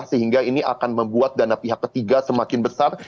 sehingga ini akan membuat dana pihak ketiga semakin besar